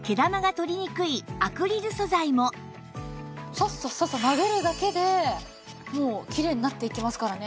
サッサッサッサッなでるだけでもうキレイになっていきますからね。